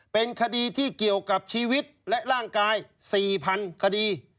เป็นคดีที่เกี่ยวกับชีวิตและร่างกาย๔๐๐๐คดี